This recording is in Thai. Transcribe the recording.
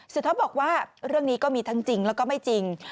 ท็อปบอกว่าเรื่องนี้ก็มีทั้งจริงแล้วก็ไม่จริง